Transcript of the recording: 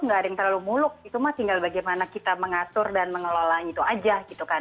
nggak ada yang terlalu muluk itu mah tinggal bagaimana kita mengatur dan mengelola itu aja gitu kan